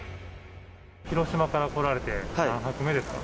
広島から来られて、何泊目ですか？